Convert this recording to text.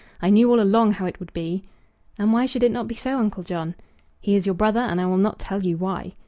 "I knew all along how it would be." "And why should it not be so, Uncle John?" "He is your brother, and I will not tell you why."